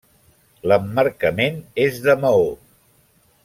L'emmarcament és de maó.